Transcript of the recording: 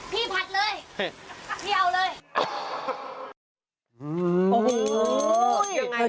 พี่ผัดเลยพี่เอาเลย